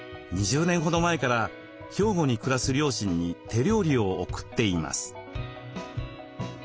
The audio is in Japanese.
２０年ほど前から兵庫に暮らす両親に手料理を送っています。